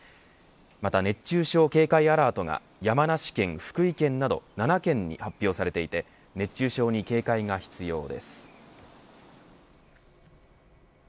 また熱中症警戒アラートが山梨県、福井県など７県に発表されていて熱中症に警戒が必要です。